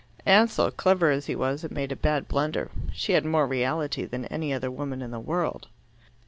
Ansell, clever as he was, had made a bad blunder. She had more reality than any other woman in the world.